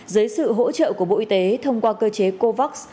dưới sự hỗ trợ của bộ y tế thông qua cơ chế covax